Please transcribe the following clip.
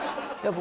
僕